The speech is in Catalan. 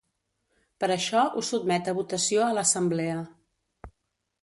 Per això ho sotmet a votació a l’assemblea.